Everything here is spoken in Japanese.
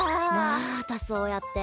またそうやって。